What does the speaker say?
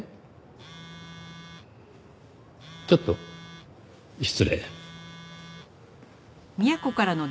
ちょっと失礼。